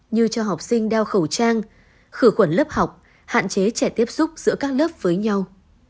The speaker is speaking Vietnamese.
như cho học sinh đeo khẩu trang khử khuẩn lớp học hạn chế trẻ tiếp xúc giữa các lớp với nhau